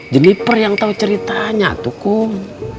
jeniper yang tahu ceritanya tuh kum